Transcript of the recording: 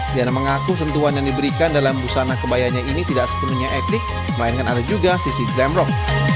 diana mengaku sentuhan yang diberikan dalam busana kebayanya ini tidak sepenuhnya etik melainkan ada juga sisi dram rock